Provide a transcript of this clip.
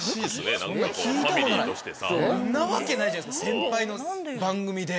そんなわけないじゃないですか先輩の番組で。